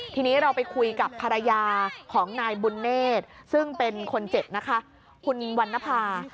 ทีนี้เราไปคุยกับภรรยาของนายบุญเนธซึ่งเป็นคนเจ็บนะคะคุณวันนภา